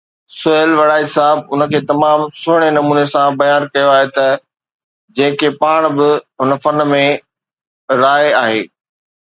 سهيل وڑائچ صاحب ان کي تمام سهڻي نموني بيان ڪيو آهي ته ”جنهن کي پاڻ به هن فن ۾ راڻي آهي.